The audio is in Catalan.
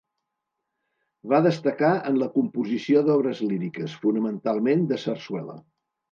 Va destacar en la composició d'obres líriques, fonamentalment de sarsuela.